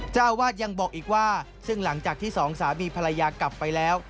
เจ้าอาวาสยังบอกอีกว่าซึ่งหลังจากที่สองสามีภรรยากลับไปแล้ว